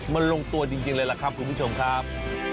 มันลงตัวจริงเลยล่ะครับคุณผู้ชมครับ